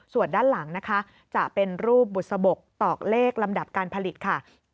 ส่วนด้านหลังนะคะจะเป็นรูปบุษบกตอกเลขลำดับการผลิตค่ะ